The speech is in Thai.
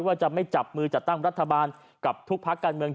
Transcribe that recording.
ว่าจะไม่จับมือจัดตั้งรัฐบาลกับทุกภาคการเมือง